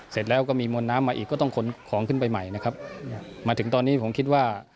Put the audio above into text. เสร็จแล้วก็มีมวลน้ำมาอีกก็ต้องขนของขึ้นไปใหม่นะครับมาถึงตอนนี้ผมคิดว่า